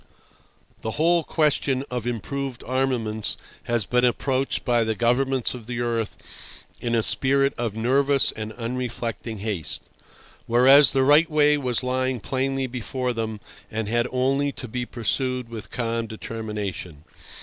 The whole question of improved armaments has been approached by the governments of the earth in a spirit of nervous and unreflecting haste, whereas the right way was lying plainly before them, and had only to be pursued with calm determination.